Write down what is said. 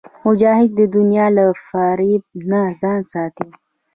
مجاهد د دنیا له فریب نه ځان ساتي.